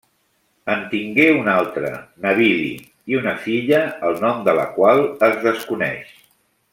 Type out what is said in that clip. En tingué un altre, Navili, i una filla el nom de la qual es desconeix.